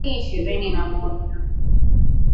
mapinduzi ya Oktoba mwaka elfu mbili na ishirini na moja